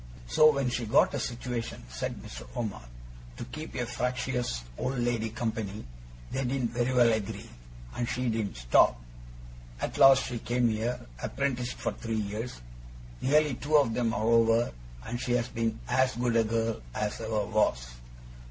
'So when she got a situation,' said Mr. Omer, 'to keep a fractious old lady company, they didn't very well agree, and she didn't stop. At last she came here, apprenticed for three years. Nearly two of 'em are over, and she has been as good a girl as ever was.